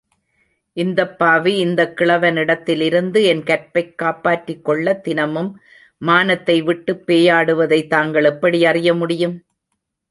இந்தப்பாவி இந்தக் கிழவனிடத்திலிருந்து என் கற்பைக் காப்பாற்றிக் கொள்ள தினமும் மானத்தை விட்டுப் பேயாடுவதைத் தாங்கள் எப்படி அறியமுடியும்?